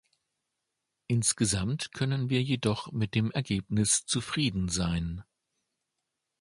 Insgesamt können wir jedoch mit dem Ergebnis zufrieden sein.